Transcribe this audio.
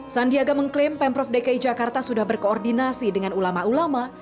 sandiaga mengklaim pemprov dki jakarta sudah berkoordinasi dengan ulama ulama